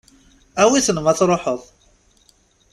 Awi-tent ma tṛuḥeḍ.